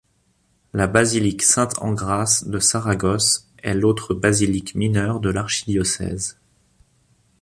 La basilique Sainte-Engrâce de Saragosse est l'autre basilique mineure de l'archidiocèse.